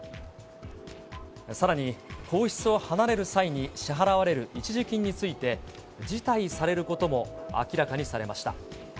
さらに、皇室を離れる際に支払われる一時金について、辞退されることも明らかにされました。